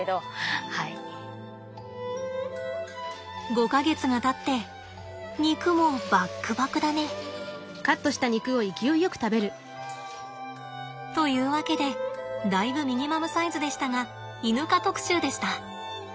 ５か月がたって肉もばっくばくだね。というわけでだいぶミニマムサイズでしたがイヌ科特集でした。